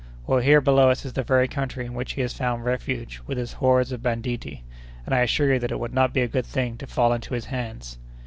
—Well, here below us is the very country in which he has found refuge with his hordes of banditti; and I assure you that it would not be a good thing to fall into his hands."